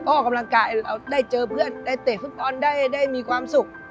ออกกำลังกายเราได้เจอเพื่อนได้เตะฟุตบอลได้มีความสุข